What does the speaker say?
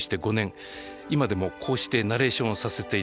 今でもこうしてナレーションをさせていただいてます。